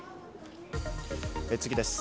次です。